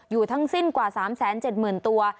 ทั้งสิ้นกว่า๓๗๐๐๐ตัว